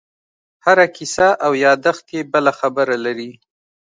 هره کیسه او یادښت یې بله خبره لري.